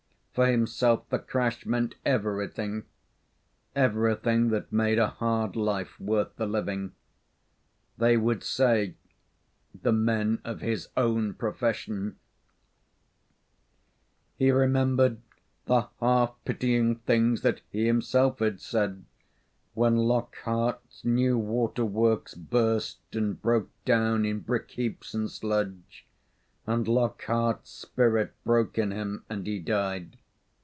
For himself the crash meant everything everything that made a hard life worth the living. They would say, the men of his own profession ... he remembered the half pitying things that he himself had said when Lockhart's new waterworks burst and broke down in brick heaps and sludge, and Lockhart's spirit broke in him and he died.